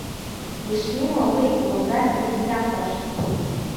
Ишнеиуа уи адемографиагьы иахәашт.